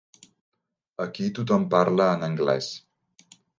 Aquí tothom parla en anglès.